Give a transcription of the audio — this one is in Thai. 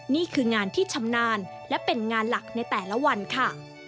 นี่คืองานที่ชำนาญและเป็นงานหลักในแต่ละวันค่ะ